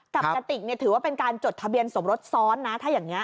กติกถือว่าเป็นการจดทะเบียนสมรสซ้อนนะถ้าอย่างนี้